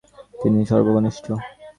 তিনি সর্বকনিষ্ঠ।